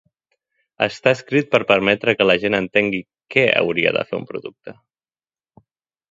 Està escrit per permetre que la gent entengui "què" hauria de fer un producte.